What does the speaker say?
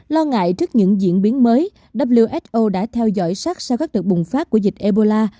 lo ngại trước những diễn biến mới who đã theo dõi sát sau các đợt bùng phát của dịch ebola